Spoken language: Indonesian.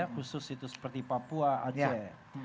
khusus itu seperti papua aceh